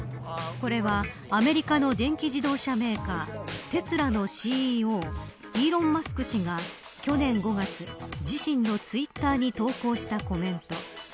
これはアメリカの電気自動車メーカーテスラのＣＥＯイーロン・マスク氏が去年５月自身のツイッターに投稿したコメント。